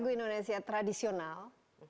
lagu indonesia tradisional